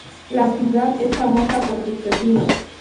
La ciudad es famosa por sus pepinos.